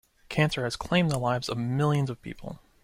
Cancer has claimed the lives of millions of people.